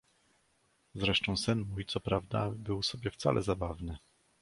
"Zresztą sen mój, co prawda, był sobie wcale zabawny!"